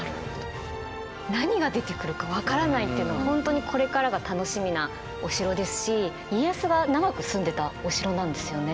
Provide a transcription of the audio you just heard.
何が出てくるかわからないというの本当にこれからが楽しみなお城ですし家康は長く住んでたお城なんですよね。